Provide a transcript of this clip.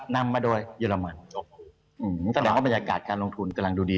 นำมาโดยเยอรมันโอ้โหแสดงว่าบรรยากาศการลงทุนกำลังดูดี